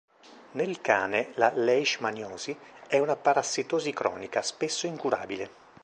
Nel cane la leishmaniosi è una parassitosi cronica, spesso incurabile.